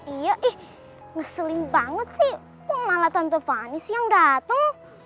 iya ih ngeselin banget sih kok malah tante fani siang dateng